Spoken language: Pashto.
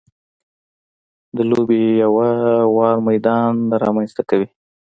د لوبې یو ه وار میدان رامنځته کوي.